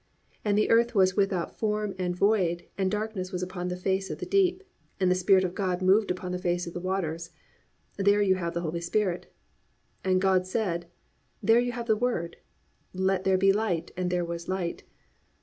+"And the earth was without form and void; and darkness was upon the face of the deep. And the Spirit of God moved upon the face of the waters."+ There you have the Holy Spirit. +"And God said,"+ there you have the Word, +"Let there be light: and there was light."